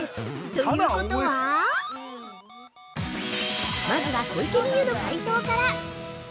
ということはまずは、小池美由の解答から。